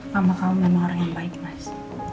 kamu memang orang yang baik mas